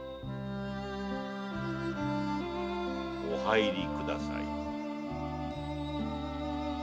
お入りください。